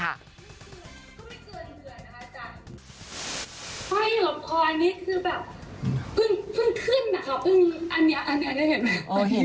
ครับตอนวันเจ็ดวันมีจริงได้แบบมวง